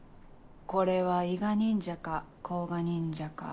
これは伊賀忍者か甲賀忍者か。